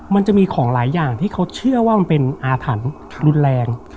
มันจะมีของหลายอย่างที่เขาเชื่อว่ามันเป็นอาถรรพ์รุนแรง